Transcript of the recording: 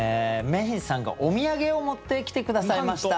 Ｍａｙ’ｎさんがお土産を持ってきて下さいました。